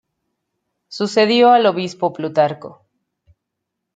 Sucedió al Obispo Plutarco.